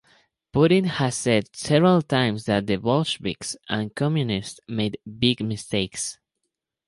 Putin has said several times that the Bolsheviks and Communists made big mistakes.